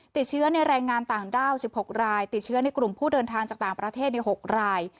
ติดเชื้อในแรงงานต่างด้าว๑๖รายติดเชื้อในกลุ่มผู้เดินทางจากต่างประเทศใน๖ราย